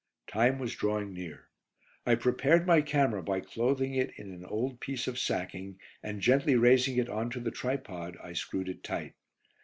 Time was drawing near. I prepared my camera by clothing it in an old piece of sacking, and gently raising it on to the tripod I screwed it tight.